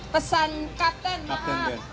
pesan kapten maaf